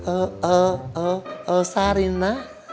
oh oh oh oh sarina